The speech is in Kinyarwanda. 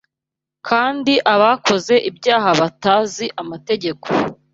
kandi abakoze ibyaha batazi amategeko